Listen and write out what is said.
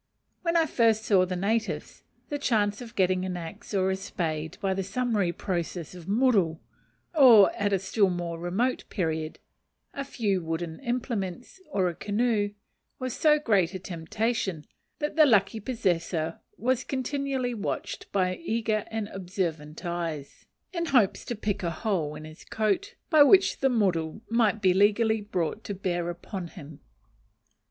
When I first saw the natives, the chance of getting an axe or a spade by the summary process of muru, or at a still more remote period a few wooden implements, or a canoe, was so great a temptation, that the lucky possessor was continually watched by many eager and observant eyes, in hopes to pick a hole in his coat, by which the muru might be legally brought to bear upon him.